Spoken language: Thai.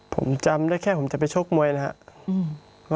ผมจำได้แค่ผมจะไปชกมวยนะครับ